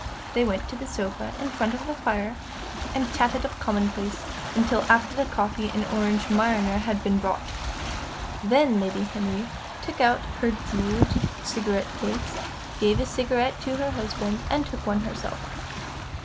They went to the sofa in front of the fire and chatted of commonplaces until after the coffee and Orange Marnier had been brought. Then Lady Henry took out her jewelled cigarette case, gave a cigarette to her husband and took one herself.